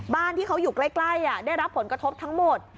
บ้านที่เขาอยู่ใกล้ได้รับผลกระทบทั้งหมด